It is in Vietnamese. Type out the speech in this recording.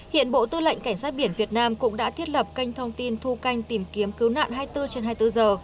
hiện bộ tư lệnh cảnh sát biển việt nam cũng đã thiết lập kênh thông tin thu canh tìm kiếm cứu nạn hai mươi bốn trên hai mươi bốn giờ